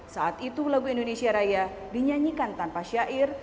saat itu lagu indonesia raya dinyanyikan tanpa syair